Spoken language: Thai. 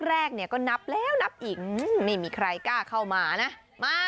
แรกเนี่ยก็นับแล้วนับอีกไม่มีใครกล้าเข้ามานะมา